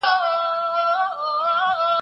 زه کولای سم سفر وکړم.